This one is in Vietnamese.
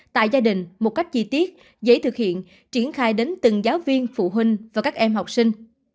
tại gia đình một cách chi tiết dễ thực hiện triển khai đến từng giáo viên phụ huynh và các em học sinh